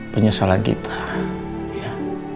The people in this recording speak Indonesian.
penyesalan kita ya